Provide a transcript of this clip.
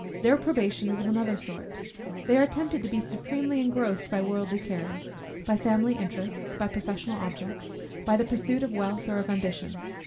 Their probation is of another sort; they are tempted to be supremely engrossed by worldly cares, by family interests, by professional objects, by the pursuit of wealth or of ambition.